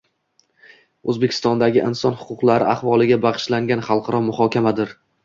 O'zbekistondagi inson huquqlari ahvoliga bag'ishlangan xalqaro muhokamadir.